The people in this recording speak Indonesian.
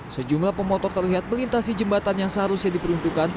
sejumlah pemotor terlihat melintasi jembatan yang seharusnya diperuntukkan